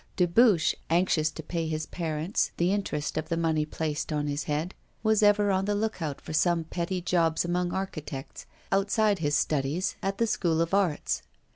Dubuche, anxious to pay his parents the interest of the money placed on his head, was ever on the look out for some petty jobs among architects, outside his studies at the School of Arts.